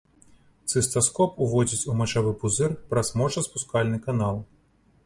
Цыстаскоп уводзяць у мачавы пузыр праз мочаспускальны канал.